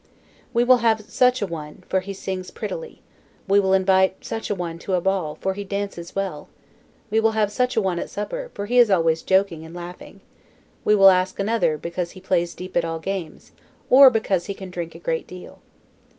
We will have such a one, for he sings prettily; we will invite such a one to a ball, for he dances well; we will have such a one at supper, for he is always joking and laughing; we will ask another, because he plays deep at all games, or because he can drink a great deal.